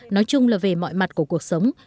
nói chung là về mọi mặt của cuộc sống